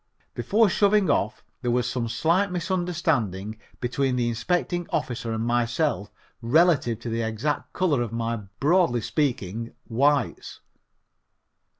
Before shoving off there was some slight misunderstanding between the inspecting officer and myself relative to the exact color of my, broadly speaking, Whites.